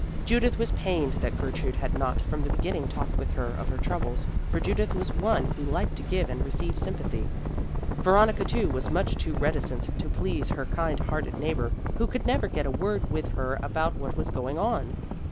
Judith was pained that Gertrude had not from the beginning talked with her of her troubles, for Judith was one who liked to give and receive sympathy. Veronica too was much too reticent to please her kind hearted neighbor who could never get a word with her about what was going on.